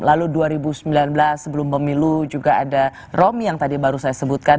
lalu dua ribu sembilan belas sebelum pemilu juga ada romy yang tadi baru saya sebutkan